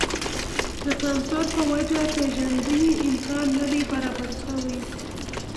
د سانسور په وجه پېژندنې امکان نه دی برابر شوی.